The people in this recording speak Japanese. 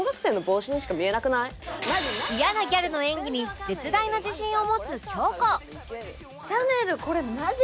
嫌なギャルの演技に絶大な自信を持つ京子